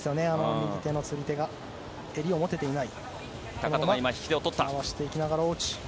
右手の釣り手が襟を持てていない。